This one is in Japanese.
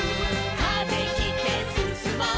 「風切ってすすもう」